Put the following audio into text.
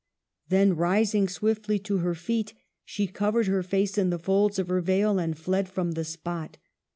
" Then, rising swiftly to her feet, she covered her face in the folds of her veil and fled from the spot.